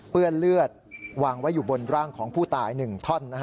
เลือดวางไว้อยู่บนร่างของผู้ตาย๑ท่อน